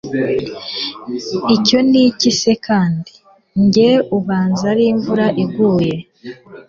icyo niki se kandi!? njye ubanza ari imvura iguye